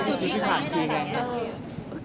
จุดอะไรที่พี่ถามที่ไหน